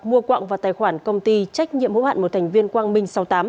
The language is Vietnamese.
mua quạng vào tài khoản công ty trách nhiệm hữu hạn một thành viên quang minh sáu mươi tám